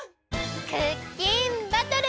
クッキンバトル！